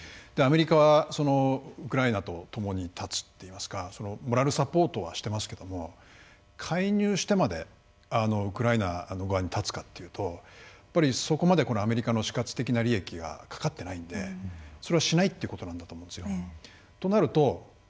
アメリカはウクライナとともに立つといいますかモラルサポートはしてますけども介入してまでウクライナ側に立つかというとそこまでアメリカの死活的な利益はかかってないんでそれはしないということなんだと思うんですよ。